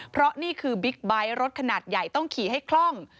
เพราะนี่คือบิ๊กไบท์รถขนาดใหญ่ต้องขี่ให้คล่อง